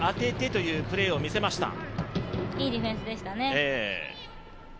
いいディフェンスでしたね。